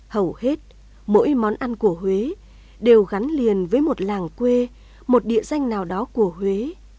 hầu hết mỗi món ăn của huế đều gắn liền với một làng quê một địa danh nào đó của huế